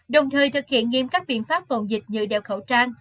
đồng thời thực hiện nghiêm các biện pháp phòng dịch như đeo khẩu trang